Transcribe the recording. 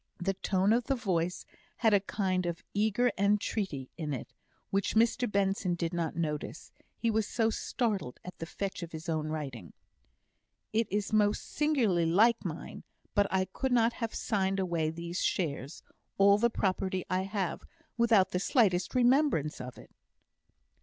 The tone of the voice had a kind of eager entreaty in it, which Mr Benson did not notice, he was so startled at the fetch of his own writing. "It is most singularly like mine; but I could not have signed away these shares all the property I have without the slightest remembrance of it."